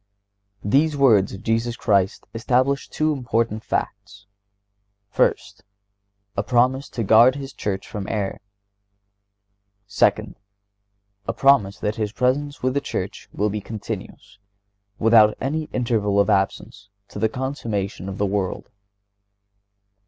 These words of Jesus Christ establish two important facts: First—A promise to guard His Church from error. Second—A promise that His presence with the Church will be continuous, without any interval of absence, to the consummation of the world.